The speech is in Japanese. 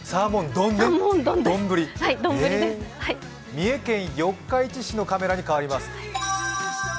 三重県四日市市のカメラに代わります。